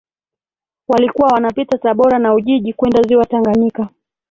Walikuwa wanapita Tabora na Ujiji kwenda ziwa Tanganyika